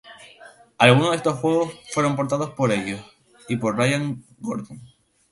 Algunos de estos juegos fueron portados por ellos y por Ryan C. Gordon.